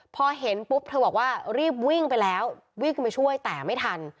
พอเห็นปุ๊บเธอบอกว่ารีบวิ่งไปแล้ววิ่งไปช่วยแต่ไม่ทัน